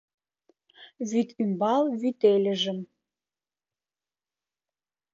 Вӱд ӱмбал вӱтельыжым